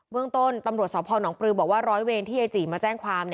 เมื่องต้นตรสพหนองปรื้มบอกว่าร้อยเวรที่ยายจริร์มาแจ้งความ